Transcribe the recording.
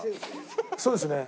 そうですね。